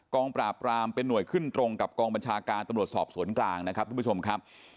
งปราบรามเป็นหน่วยขึ้นตรงกับกองบัญชาการตำรวจสอบสวนกลางนะครับทุกผู้ชมครับ